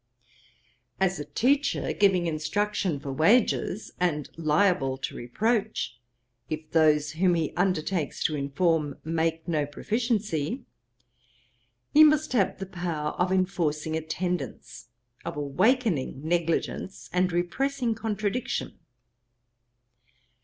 'As a teacher giving instruction for wages, and liable to reproach, if those whom he undertakes to inform make no proficiency, he must have the power of enforcing attendance, of awakening negligence, and repressing contradiction.